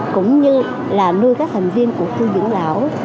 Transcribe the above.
cũng như là nuôi các thành viên của khu dưỡng lão